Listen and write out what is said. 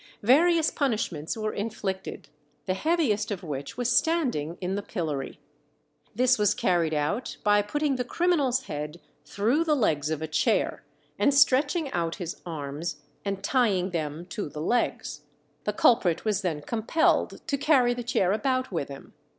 Various punishments were inflicted, the heaviest of which was standing in the pillory. This was carried out by putting the criminal's head through the legs of a chair, and stretching out his arms and tying them to the legs. The culprit was then compelled to carry the chair about with him.